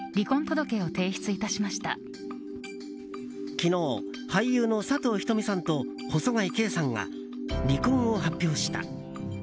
昨日、俳優の佐藤仁美さんと細貝圭さんが離婚を発表した。